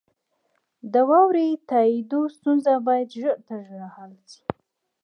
د واورئ تائیدو ستونزه باید ژر تر ژره حل شي.